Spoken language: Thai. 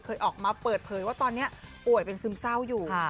เคยออกมาเปิดเผยว่าตอนนี้ป่วยเป็นซึมเศร้าอยู่